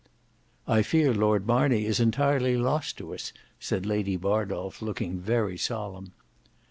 "I fear Lord Marney is entirely lost to us," said Lady Bardolf looking very solemn.